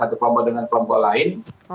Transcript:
atau kelompok dengan kelompok lain